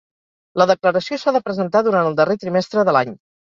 La declaració s'ha de presentar durant el darrer trimestre de l'any.